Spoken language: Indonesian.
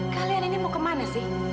kalian ini mau kemana sih